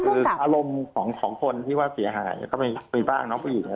คืออารมณ์ของ๒สตรีกรีกแบบสยาย